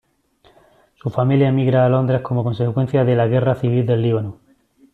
Su familia emigra a Londres como consecuencia de la guerra civil del Líbano.